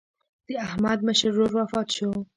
د احمد مشر ورور وفات شو.